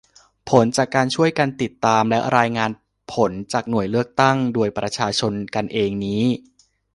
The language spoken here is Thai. ผลจากการช่วยกันติดตามและรายงานผลจากหน่วยเลือกตั้งโดยประชาชนกันเองนี้